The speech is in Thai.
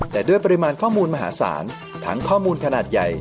แต่ด้วยปริมาณข้อมูลมหาศาลทั้งข้อมูลขนาดใหญ่